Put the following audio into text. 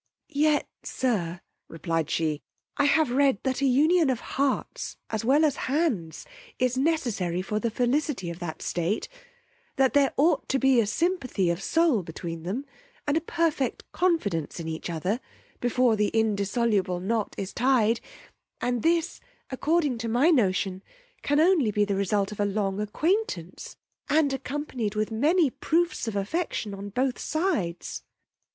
Yet, sir, replied she, I have read that a union of hearts as well as hands is necessary for the felicity of that state; that there ought to be a simpathy of soul between them, and a perfect confidence in each other, before the indissoluble knot is tied: and this, according to my notion, can only be the result of a long acquaintance and accompanied with many proofs of affection on both sides.